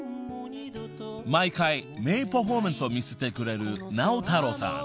［毎回名パフォーマンスを見せてくれる直太朗さん］